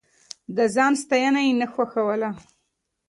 د ځان ستاينه يې نه خوښوله.